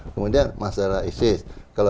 kemudian masalah isis